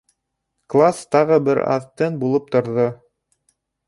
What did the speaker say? Класс тағы бер аҙ тын булып торҙо.